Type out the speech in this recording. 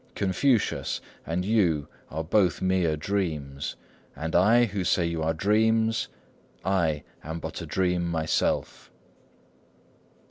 Confucius and you are both mere dreams; and I, who say you are dreams,—I am but a dream myself.